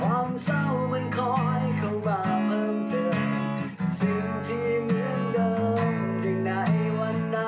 ความเศร้ามันขอยเข้ามาเพิ่มดนเร็ว